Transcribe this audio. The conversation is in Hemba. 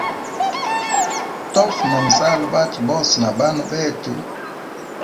Tofa na nzala bwatwe bose na bana betu.